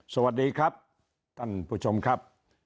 สวัสดีครับท่านผู้ชมครับ